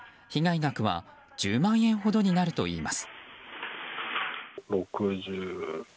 額は１０万円ほどになるといいます。